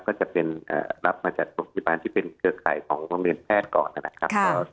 ก็จะเป็นรับมาจากโรงพยาบาลที่เป็นเครือข่ายของโรงเรียนแพทย์ก่อนนะครับ